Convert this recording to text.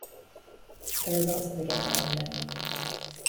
The results of the game are unknown.